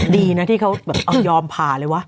ดีนะที่เขายอมพาเลยว่ะ